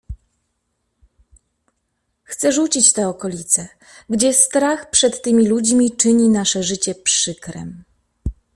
"Chce rzucić te okolicę, gdzie strach przed tymi ludźmi czyni nasze życie przykrem."